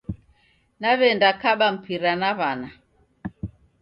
Naw'enda kaba mpira na w'ana.